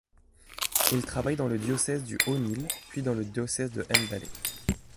Il travaille dans le diocèse du Haut-Nil, puis dans le diocèse de Mbale.